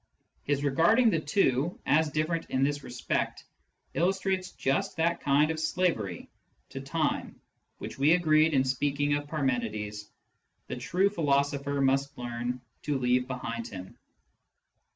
His regarding the two as different in this respect illustrates just that kind of slavery to time which, as we agreed in speaking of Parmenides, the true philosopher must learn to leave behind him.